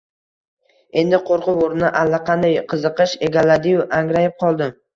Endi qo‘rquv o‘rnini allaqanday qiziqish egalladiyu angrayib qoldim.